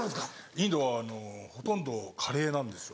インドはほとんどカレーなんですよ。